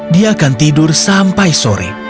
dia akan tidur sampai sore